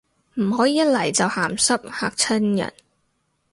唔可以一嚟就鹹濕，嚇親人